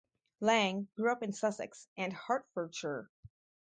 Lang grew up in Sussex and Hertfordshire.